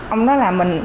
ông đó làm mình